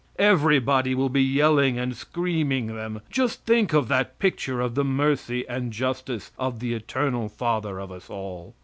Everybody will be yelling and screaming them. Just think of that picture of the mercy and justice of the eternal Father of us all.